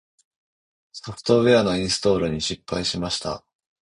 ソフトウェアのインストールに失敗しました。